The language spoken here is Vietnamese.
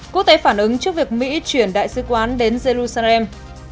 quốc tế phản ứng trước việc mỹ chuyển đại sứ quán đến jerusalem